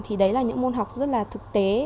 thì đấy là những môn học rất là thực tế